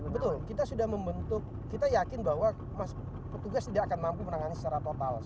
betul kita sudah membentuk kita yakin bahwa petugas tidak akan mampu menangani secara total